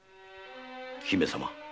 姫様。